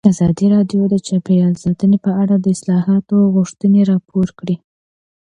ازادي راډیو د چاپیریال ساتنه په اړه د اصلاحاتو غوښتنې راپور کړې.